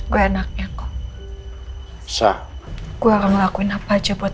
gue anaknya kok bisa gua ngelakuin apa aja buat